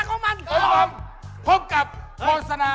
คุณที่ร่อยก่อน